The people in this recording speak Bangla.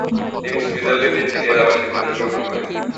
তিনি সুইজারল্যান্ডেই থেকে যাবার সিদ্ধান্ত গ্রহণ করেন।